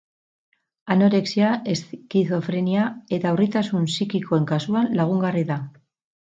Anorexia, eskizofrenia, eta urritasun sikikoen kasuan lagungarri da.